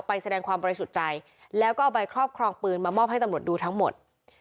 แสดงความบริสุทธิ์ใจแล้วก็เอาใบครอบครองปืนมามอบให้ตำรวจดูทั้งหมด